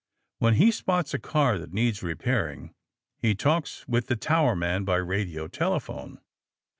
When he spots a car that needs repairing, he talks with the towerman by radio telephone.